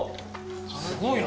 すごいな。